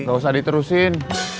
tidak usah diterusin